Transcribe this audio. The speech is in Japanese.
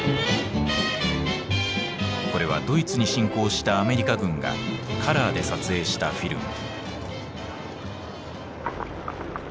これはドイツに侵攻したアメリカ軍がカラーで撮影したフィルム。